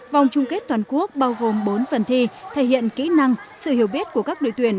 vòng chung kết toàn quốc bao gồm bốn phần thi thể hiện kỹ năng sự hiểu biết của các đội tuyển